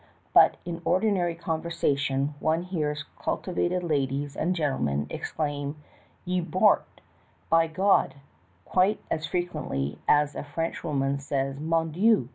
Even in ordinary conversation one hears cultivated ladies and gentleihen exclaim " Ye Bogtl^' (By God!) quite as frequently as a French woman says "Mon Dieu!"